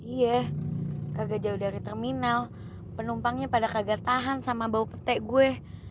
iya kagak jauh dari terminal penumpangnya pada kagak tahan sama bau pete gue